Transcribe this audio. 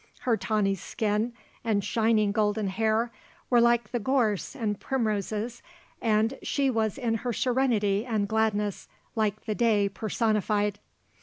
Her tawny skin and shining golden hair were like the gorse and primroses and she in her serenity and gladness like the day personified.